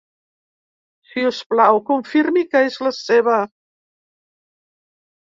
Si us plau confirmi que és la seva.